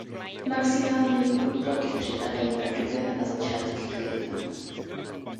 Maximální průtoky připadají na duben a začátek května.